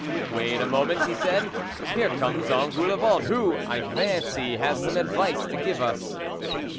" Wait a moment," he said, " here comes Engoulevent, who, I fancy, has some advice to give us."